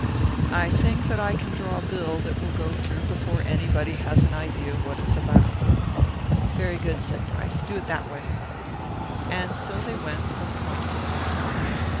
I think that I can draw a bill that will go through before anybody has an idea what it's about." "Very good," said Price. "Do it that way." And so they went, from point to point.